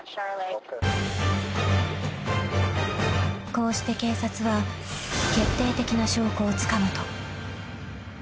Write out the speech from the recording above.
［こうして警察は決定的な証拠をつかむと］